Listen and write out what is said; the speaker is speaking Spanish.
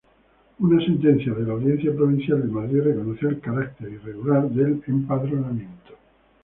Una sentencia de la audiencia provincial de Madrid reconoció el carácter irregular del empadronamiento.